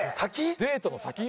デートの先？